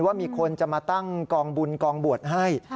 ว่ามีคนจะมาตั้งกองบุญกองบวชให้